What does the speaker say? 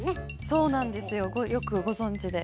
そうなんですよ。よくご存じで。